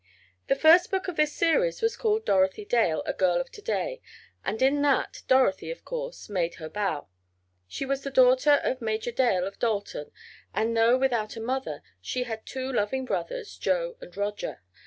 The first book of this series was called "Dorothy Dale; A Girl of To Day," and in that, Dorothy, of course, made her bow. She was the daughter of Major Dale, of Dalton, and, though without a mother, she had two loving brothers, Joe and Roger.